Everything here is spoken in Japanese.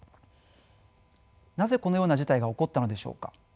なぜこのような事態が起こったのでしょうか。